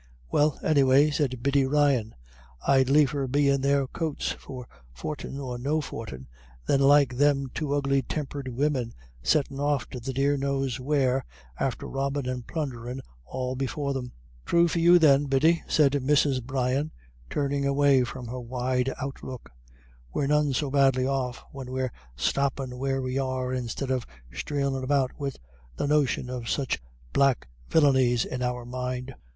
"Well, anyway," said Biddy Ryan, "I'd liefer be in their coats, for fortin or no fortin, than like them two ugly tempered women, settin' off to the dear knows where, after robbin' and plunderin' all before them." "Thrue for you, then, Biddy," said Mrs. Brian, turning away from her wide outlook, "we're none so badly off, when we're stoppin' where we are, instid of streelin' about wid the notion of such black villinies in our minds.